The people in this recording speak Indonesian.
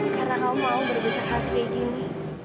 karena kamu mau berbesar hati kayak gini